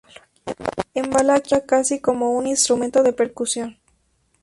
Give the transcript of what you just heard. En Valaquia se usa casi como un instrumento de percusión.